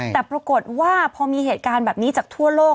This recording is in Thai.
แต่ปรากฏว่าพอมีเหตุการณ์แบบนี้จากทั่วโลก